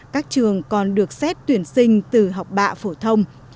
các trường còn được xét tuyển sinh từ học bạ phổ thông